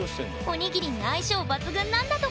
おにぎりに相性抜群なんだとか。